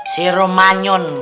si rum manyun